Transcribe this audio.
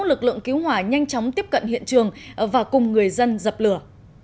lực lượng cứu hỏa nhanh chóng tiếp cận hiện trường và cùng người dân dập lửa